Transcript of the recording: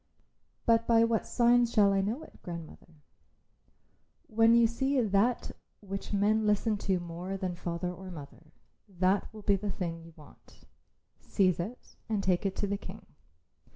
"But by what signs shall I know it, grandmother?" "When you see that which men listen to more than to father or mother, that will be the thing you want. Seize it and take it to the King.